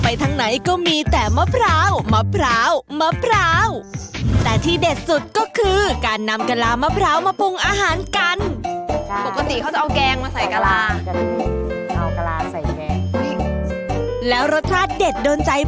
เป็นท่าเดียวหมดเลย